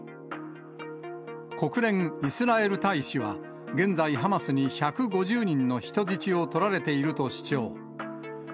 国連・イスラエル大使は、現在、ハマスに１５０人の人質を取られていると主張。